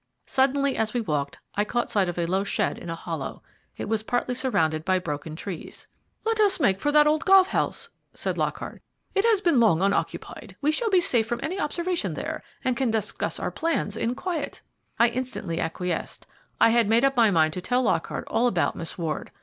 Suddenly, as we walked, I caught sight of a low shed in a hollow. It was partly surrounded by broken down trees. "Let us make for that old golf house," said Lockhart. "It has been long unoccupied; we shall be safe from any observation there, and can discuss our plans in quiet." I instantly acquiesced. I had made up my mind to tell Lockhart all about Miss Ward.